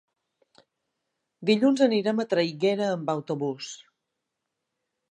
Dilluns anirem a Traiguera amb autobús.